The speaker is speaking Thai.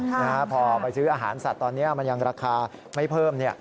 นะฮะพอไปซื้ออาหารสัตว์ตอนนี้มันยังราคาไม่เพิ่มเนี่ย